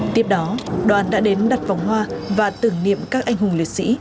tiếp đó đoàn đã đến đặt vòng hoa và tưởng niệm các anh hùng liệt sĩ